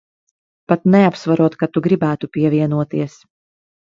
Pat neapsverot, ka tu gribētu pievienoties.